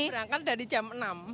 berangkat dari jam enam